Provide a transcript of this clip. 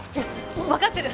わかってる。